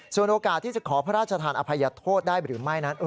ส่วนโอกาสที่จะขอพระราชทานอภัยโทษได้หรือไม่นั้น